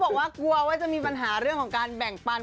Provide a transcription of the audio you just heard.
บอกว่ากลัวว่าจะมีปัญหาเรื่องของการแบ่งปัน